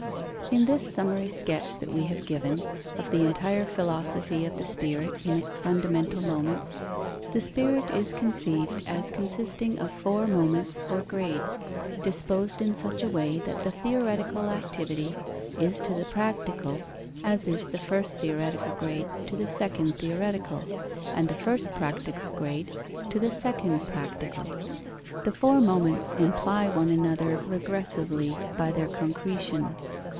_ In this summary sketch that we have given, of the entire philosophy of the spirit in its fundamental moments, the spirit is conceived as consisting of four moments or grades, disposed in such a way that the theoretical activity is to the practical as is the first theoretical grade to the second theoretical, and the first practical grade to the second practical. The four moments imply one another regressively by their concretion.